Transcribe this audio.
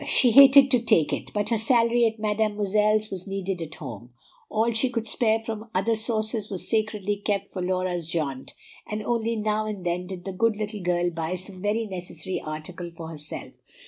She hated to take it, but her salary at Mademoiselle's was needed at home; all she could spare from other sources was sacredly kept for Laura's jaunt, and only now and then did the good little girl buy some very necessary article for herself.